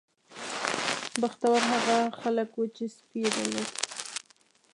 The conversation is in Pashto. بختور هغه خلک وو چې سپی یې درلود.